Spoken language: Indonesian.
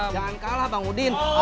jangan kalah bang udin